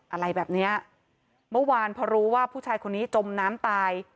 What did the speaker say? อะไรแบบเนี้ยเมื่อวานพอรู้ว่าผู้ชายคนนี้จมน้ำตาย